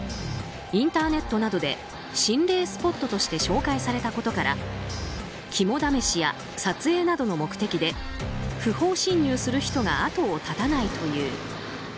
インターネットなどで心霊スポットとして紹介されたことから肝試しや撮影などの目的で不法侵入する人が後を絶たないという。